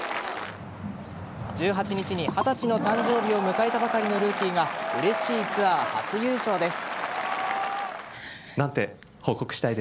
１８日に二十歳の誕生日を迎えたばかりのルーキーがうれしいツアー初優勝です。